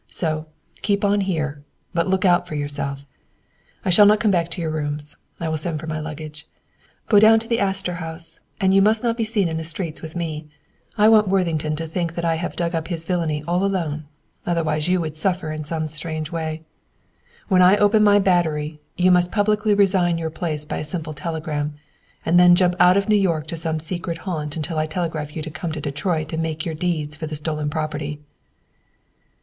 So, keep on here, but look out for yourself. "I shall not come back to your rooms. I will send for my luggage; go down to the Astor House, and you must not be seen in the streets with me. I want Worthington to think that I have dug up his villainy all alone. "Otherwise you would suffer in some strange way. "When I open my battery, you must publicly resign your place by a simple telegram. And then jump out of New York to some secret haunt until I telegraph you to come to Detroit and make your deeds for the stolen property."